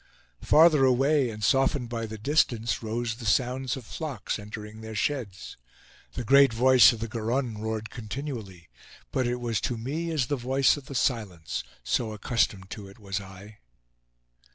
Farther away and softened by the distance, rose the sounds of flocks entering their sheds. The great voice of the Garonne roared continually; but it was to me as the voice of the silence, so accustomed to it was I.